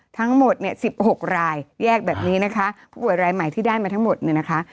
ทั้งหมด๑๖รายแยกแบบนี้นะคะผู้ป่วยรายใหม่ที่ได้มาทั้งหมดนะคะ